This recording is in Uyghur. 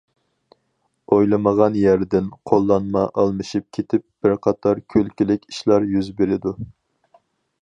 ئويلىمىغان يەردىن قوللانما ئالمىشىپ كېتىپ بىر قاتار كۈلكىلىك ئىشلار يۈز بېرىدۇ.